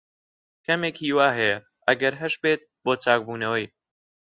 کەمێک ھیوا ھەیە، ئەگەر ھەشبێت، بۆ چاکبوونەوەی.